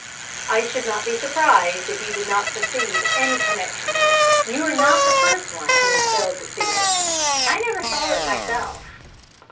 I should not be surprised if you did not perceive any connection here. You are not the first who has failed to see it; I never saw it myself.